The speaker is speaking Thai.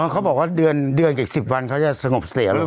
เขาบอกว่าเดือนเดือนอีก๑๐วันเขาจะสงบสติอารมณ์